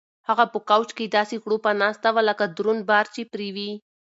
هغه په کوچ کې داسې کړوپه ناسته وه لکه دروند بار چې پرې وي.